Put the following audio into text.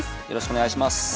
よろしくお願いします。